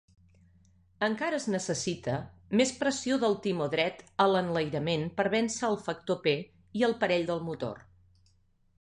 Encara es necessita més pressió del timó dret a l'enlairament per vèncer el factor p i el parell del motor.